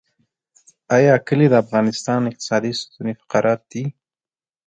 آیا کلي د افغانستان اقتصادي ستون فقرات دي؟